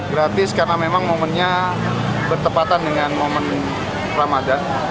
gratis karena memang momennya bertepatan dengan momen ramadan